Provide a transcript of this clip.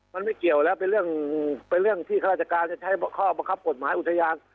มันไม่เกี่ยวแล้วเป็นเรื่องเป็นเรื่องที่ข้าราชการจะใช้ข้อบังคับกฎหมายอุทยาน